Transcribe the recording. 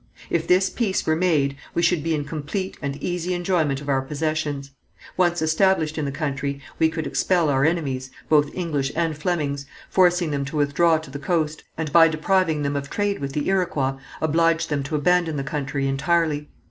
If this peace were made, we should be in complete and easy enjoyment of our possessions. Once established in the country, we could expel our enemies, both English and Flemings, forcing them to withdraw to the coast, and, by depriving them of trade with the Iroquois, oblige them to abandon the country entirely.